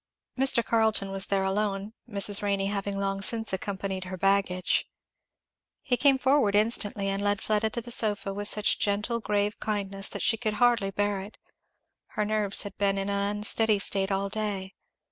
Mr. Carleton was there alone, Mrs. Renney having long since accompanied her baggage. He came forward instantly and led Fleda to the sofa, with such gentle grave kindness that she could hardly bear it; her nerves had been in an unsteady state all day.